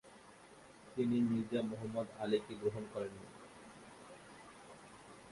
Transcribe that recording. তিনি মির্জা মুহম্মদ আলী কে গ্রহণ করেন নি।